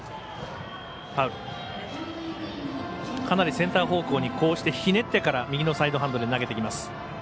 かなりセンター方向にひねってから右のサイドハンドで投げてきます。